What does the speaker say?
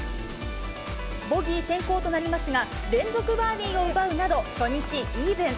ボギー先行となりますが、連続バーディーを奪うなど、初日イーブン。